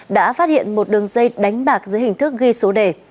đã phát hiện một đường dây đánh bạc dưới hình thức ghi số đề